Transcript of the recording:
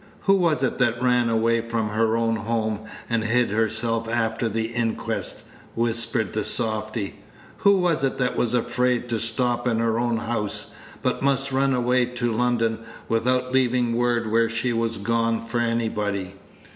"Who was it that ran away from her own home, and hid herself after the inquest?" whispered the softy. "Who was it that was afraid to stop in her own house, but must run away to London without leaving word where she was gone for anybody?